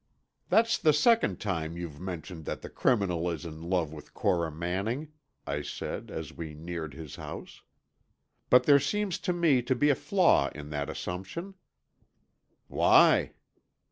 "That's the second time you've mentioned that the criminal is in love with Cora Manning," I said, as we neared his house. "But there seems to me to be a flaw in that assumption." "Why?"